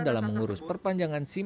dalam mengurus perjalanan sim